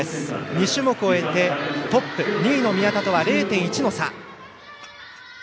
２種目を終えてトップ２位の宮田とは０．１の差岸里奈。